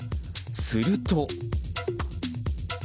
すると。